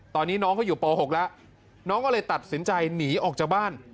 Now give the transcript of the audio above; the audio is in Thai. ตอนนี้น้องเขาอยู่ป๖แล้วน้องก็เลยตัดสินใจหนีออกจากบ้าน